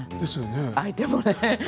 相手もね